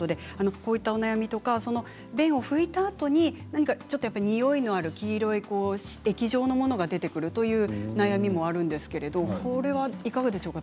こういったお悩み便を拭いたあとに何かにおいのある黄色い液状のものが出てくるという悩みもあるんですけれどいかがでしょうか。